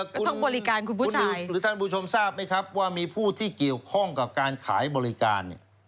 ทั้งบริการคุณผู้ชมหรือท่านผู้ชมทราบไหมครับว่ามีผู้ที่เกี่ยวข้องกับการขายบริการเนี่ย